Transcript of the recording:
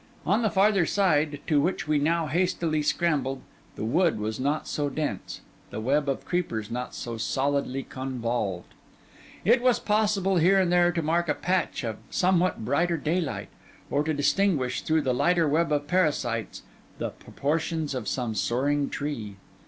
On the farther side, to which we now hastily scrambled, the wood was not so dense, the web of creepers not so solidly convolved. It was possible, here and there, to mark a patch of somewhat brighter daylight, or to distinguish, through the lighter web of parasites, the proportions of some soaring tree.